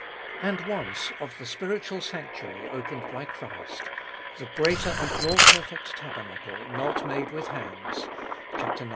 And once of the spiritual sanctuary opened by Christ : The greater and more perfect tabernacle not made with hands (ix.